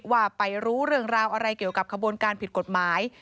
ว่าไปรู้เรื่องราวอะไรเกี่ยวกับขบวนการผิดกฎหมาย